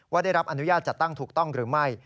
ได้รับอนุญาตจัดตั้งถูกต้องหรือไม่